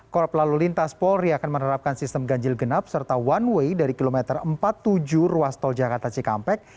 korplalu lintas polri akan menerapkan sistem ganjil genap serta one way dari kilometer empat puluh tujuh ruas tol jakarta cikampek